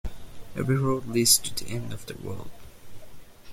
Every road leads to the end of the world.